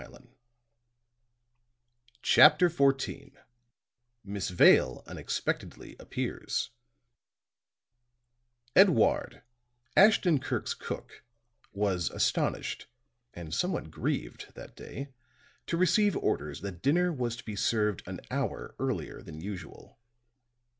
_" CHAPTER XIV MISS VALE UNEXPECTEDLY APPEARS Edouard, Ashton Kirk's cook, was astonished and somewhat grieved that day to receive orders that dinner was to be served an hour earlier than usual.